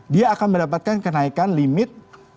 dia akan mendapatkan kenaikan limit